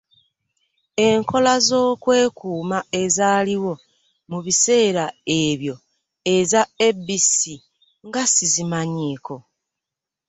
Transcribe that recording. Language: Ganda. Enkola z'okwekuuma ezaaliwo mu biseera ebyo eza ABC nga sizimanyiiko